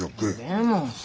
でもさ。